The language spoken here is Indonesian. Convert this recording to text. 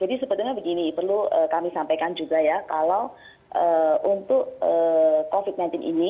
jadi sebetulnya begini perlu kami sampaikan juga ya kalau untuk covid sembilan belas ini